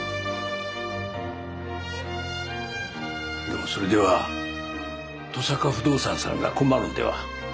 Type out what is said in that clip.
でもそれでは登坂不動産さんが困るんでは？